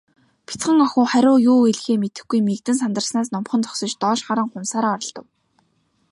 Бяцхан охин хариу юу хэлэхээ мэдэхгүй, мэгдэн сандарснаас номхон зогсож, доош харан хумсаараа оролдов.